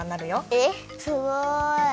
えっすごい！